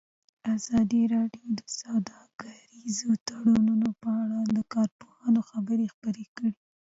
ازادي راډیو د سوداګریز تړونونه په اړه د کارپوهانو خبرې خپرې کړي.